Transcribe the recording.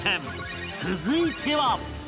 続いては